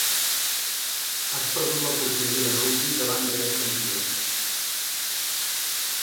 Has perdut la porteria de rugbi davant d'aquest campió.